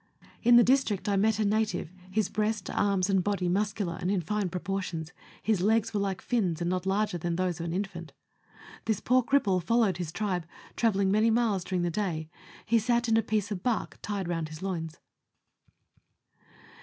In the district I met a native, his breast, arms, and body muscular, and in fine proportions ; his legs were like fins, and not larger than those of an infant. This poor cripple followed his tribe, travel ling many miles during the day ; he sat in a piece of bark tied round his loins.